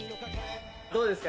どうですか？